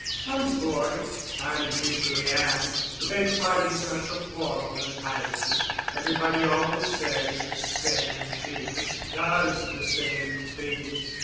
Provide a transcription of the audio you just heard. "I was bored. I usually am. The Bent parties are so formal and tiresome. Everybody always says the same things—does the same things."